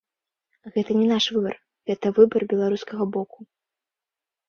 Гэта не наш выбар, гэта выбар беларускага боку.